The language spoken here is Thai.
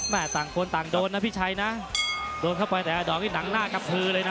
ต่างคนต่างโดนนะพี่ชัยนะโดนเข้าไปแต่อาดอกนี่หนังหน้ากระพือเลยนะ